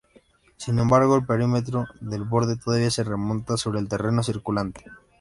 Sin embargo, el perímetro del borde todavía se remonta sobre el terreno circundante.